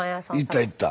行った行った。